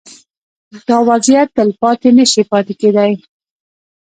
دا وضعیت تلپاتې نه شي پاتې کېدای.